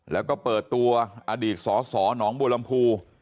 แล้วก็เปิดตัวอดีตสสหนองบัวลำพู